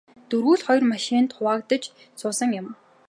Дөрвүүл хоёр машинд хуваагдаж суусан юм.